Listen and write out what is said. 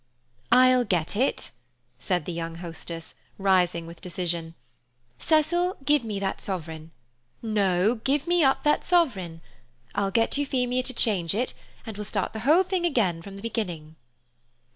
"I'll get it," said the young hostess, rising with decision. "Cecil, give me that sovereign. No, give me up that sovereign. I'll get Euphemia to change it, and we'll start the whole thing again from the beginning."